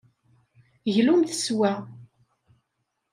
Glumt s wa.